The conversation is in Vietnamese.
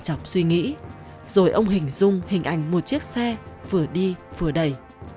ông tân đọc suy nghĩ rồi ông hình dung hình ảnh một chiếc xe vừa đi vừa đẩy